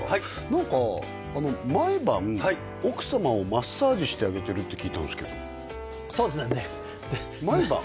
何か毎晩奥様をマッサージしてあげてるって聞いたんですけどそうですね毎晩？